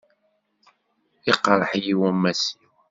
Iqṛeḥ-iyi wammas-iw.